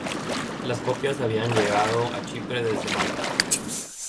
Las copias habían llegado a Chipre desde Malta.